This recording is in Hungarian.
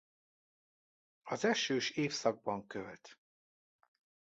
Az esős évszakban költ.